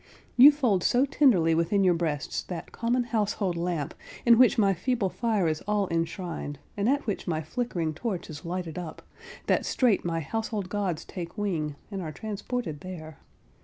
You fold so tenderly within your breasts that common household lamp in which my feeble fire is all enshrined, and at which my flickering torch is lighted up, that straight my household gods take wing, and are transported there.